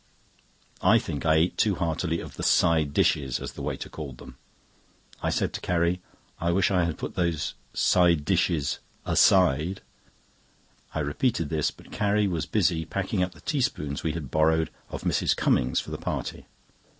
I think I ate too heartily of the "side dishes," as the waiter called them. I said to Carrie: "I wish I had put those 'side dishes' aside." I repeated this, but Carrie was busy, packing up the teaspoons we had borrowed of Mrs. Cummings for the party.